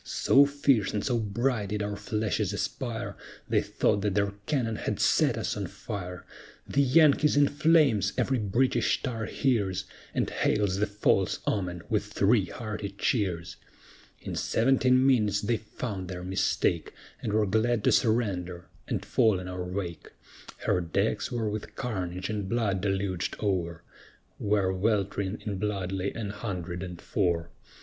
So fierce and so bright did our flashes aspire, They thought that their cannon had set us on fire, "The Yankee's in flames!" every British tar hears, And hails the false omen with three hearty cheers. In seventeen minutes they found their mistake, And were glad to surrender and fall in our wake; Her decks were with carnage and blood deluged o'er, Where welt'ring in blood lay an hundred and four.